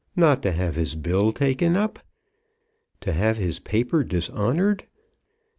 Not to have his bill taken up! To have his paper dishonoured!